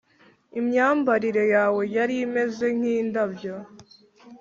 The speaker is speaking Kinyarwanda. imyambarire yawe yari imeze nk'indabyo,